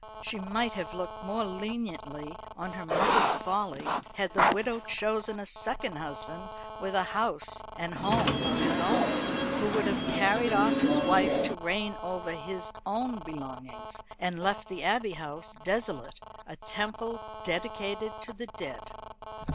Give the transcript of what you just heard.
She might have looked more leniently on her mother's folly, had the widow chosen a second husband with a house and home of his own, who would have carried off his wife to reign over his own belongings, and left the Abbey House desolate a temple dedicated to the dead.